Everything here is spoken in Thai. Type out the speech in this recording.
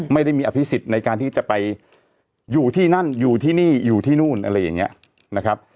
ไม่ได้มีอภิษิตในการที่จะไปอยู่ที่นั่นอยู่ที่นี่อยู่ที่นู่นอะไรอย่างนี้นะครับ